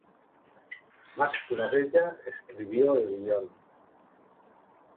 Max La Bella escribió el guion.